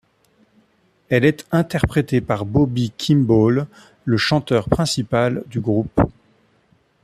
Elle est interprétée par Bobby Kimball, le chanteur principal du groupe.